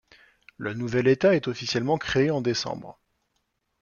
Le nouvel État est officiellement créé en décembre.